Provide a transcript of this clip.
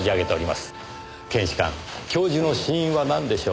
検視官教授の死因はなんでしょう？